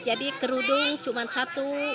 jadi kerudung cuma satu